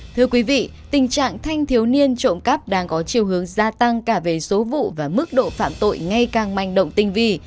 thưa quý vị tình trạng thanh thiếu niên trộm cắp đang có chiều hướng gia tăng cả về số vụ và mức độ phạm tội ngay càng manh động tinh vi